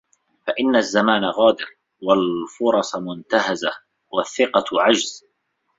فَإِنَّ الزَّمَانَ غَادِرٌ وَالْفُرَصُ مُنْتَهَزَةٌ وَالثِّقَةُ عَجْزٌ